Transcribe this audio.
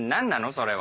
それは。